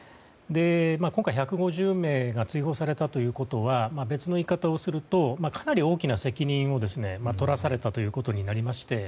今回１５０名が追放されたということは別の言い方をするとかなり大きな責任をとらされたということになりまして